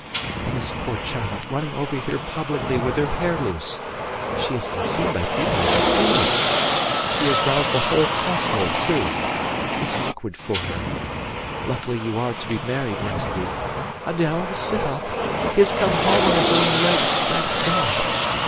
And this poor child running over here publicly with her hair loose. She has been seen by people in the fields. She has roused the whole household, too. It's awkward for her. Luckily you are to be married next week.... Adèle, sit up. He has come home on his own legs, thank God....